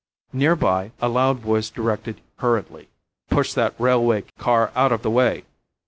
Near by a loud voice directed hurriedly, "Push that railway car out of the way!"